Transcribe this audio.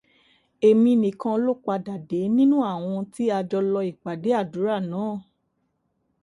Èmi nìkan ló padà dé nínú àwa tí a jọ lọ ìpàdé àdúrà náà.